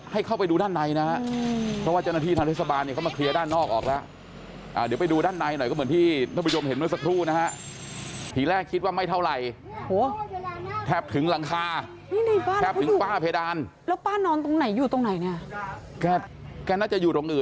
ให้เข้าไปดูด้านในนะเพราะว่าจันนที่ทางเทศบาล